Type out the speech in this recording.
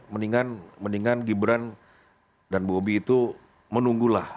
mendingan mendingan gibran dan bobi itu menunggulah